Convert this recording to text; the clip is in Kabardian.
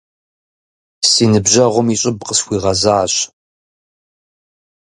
Си ныбжьэгъум и щӏыб къысхуигъэзащ.